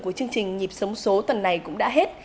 của chương trình nhịp sống số tuần này cũng đã hết